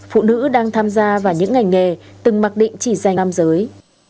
phụ nữ đang tham gia vào những ngành nghề từng mặc định chỉ dành nam giới